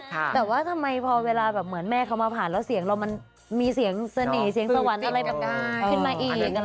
แต่ว่าทำไมพอเวลาแม่เข้ามาผ่านแล้วเสียงมีเสียงเสน่ห์เสียงสวรรค์มีอีก